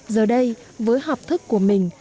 giờ đây với học thức của mình